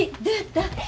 どやった？